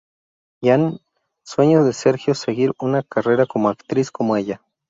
Jane sueños de Sergio seguir una carrera como actriz, como ella.